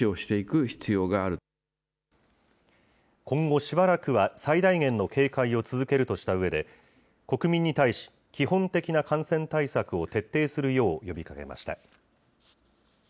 今後しばらくは、最大限の警戒を続けるとしたうえで、国民に対し、基本的な感染対策を徹底するよう呼びかけました。